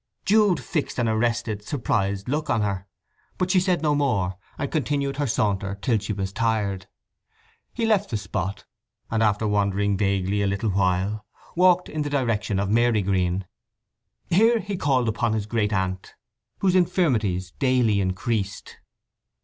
Jude fixed an arrested, surprised look on her. But she said no more, and continued her saunter till she was tired. He left the spot, and, after wandering vaguely a little while, walked in the direction of Marygreen. Here he called upon his great aunt, whose infirmities daily increased.